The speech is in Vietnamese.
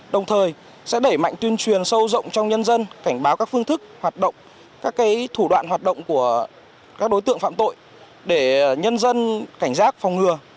đồng thời sẽ đẩy mạnh tuyên truyền sâu rộng trong nhân dân cảnh báo các phương thức hoạt động các thủ đoạn hoạt động của các đối tượng phạm tội để nhân dân cảnh giác phòng ngừa